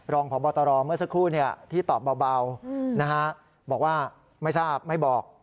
รองพบตรเมื่อสักครู่ที่ตอบเบาบอกว่าไม่ทราบไม่บอก